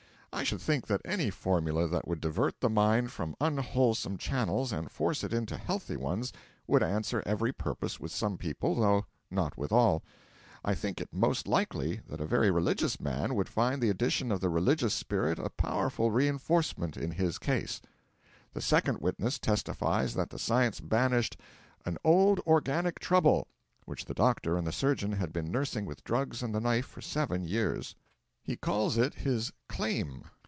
I should think that any formula that would divert the mind from unwholesome channels and force it into healthy ones would answer every purpose with some people, though not with all. I think it most likely that a very religious man would find the addition of the religious spirit a powerful reinforcement in his case. The second witness testifies that the Science banished 'an old organic trouble' which the doctor and the surgeon had been nursing with drugs and the knife for seven years. He calls it his 'claim.'